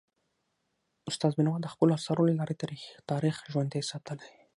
استاد بینوا د خپلو اثارو له لارې تاریخ ژوندی ساتلی.